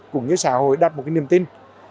cũng như xã hội đặt một niềm tin